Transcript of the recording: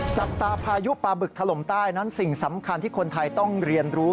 จับตาพายุปลาบึกถล่มใต้นั้นสิ่งสำคัญที่คนไทยต้องเรียนรู้